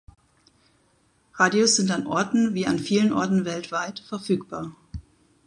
Radios sind an Orten wie an vielen Orten weltweit verfügbar.